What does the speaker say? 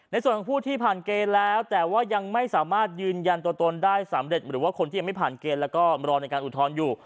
ในส่วนของผู้ที่ผ่านเกณฑ์แล้วแต่ว่ายังไม่สามารถยืนยันตัวตนได้สำเร็จหรือว่าคนที่ยังไม่ผ่านเกณฑ์แล้วก็รอในการอุทธรณ์อยู่